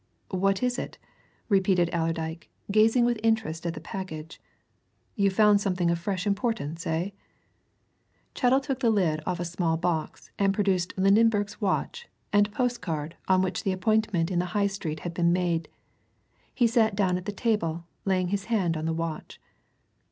"What is it!" repeated Allerdyke, gazing with interest at the package. "You've found something of fresh importance, eh!" Chettle took the lid off a small box and produced Lydenberg's watch and postcard on which the appointment in the High Street had been made. He sat down at the table, laying his hand on the watch.